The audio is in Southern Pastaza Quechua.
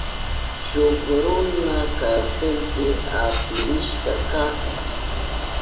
Shuk runa karselpi apirishka kahun.